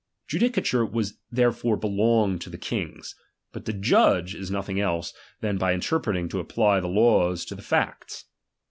Judicature therefore belonged to the kings. But to judge is nothing else, than by i« terpreting to apply the laws to the facts.